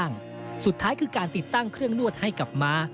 ทั้งสองข้างสุดท้ายคือการติดตั้งเครื่องนวดให้กับม้า